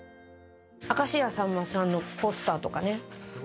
明石家さんまさんのポスターとかね。